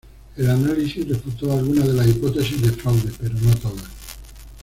El análisis refutó algunas de las hipótesis de fraude, pero no todas.